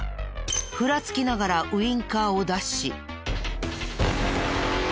ふらつきながらウィンカーを出し。